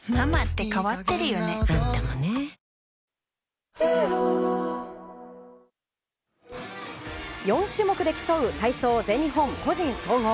サントリー４種目で競う体操全日本個人総合。